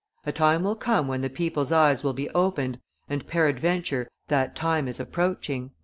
A time will come when the people's eyes will be opened, and peradventure that time is approaching."